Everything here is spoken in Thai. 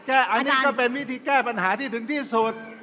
อันนี้ก็เป็นวิธีแก้ปัญหาที่ถึงที่สุด